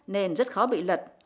nên rất khó bị lật